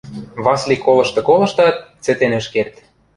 Васли колышты-колыштат, цӹтен ӹш керд.